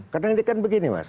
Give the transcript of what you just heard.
karena ini kan begini mas